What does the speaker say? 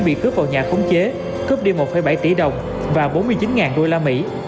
bị cướp vào nhà khống chế cướp đi một bảy tỷ đồng và bốn mươi chín đô la mỹ